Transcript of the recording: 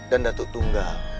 dan datuk tunggal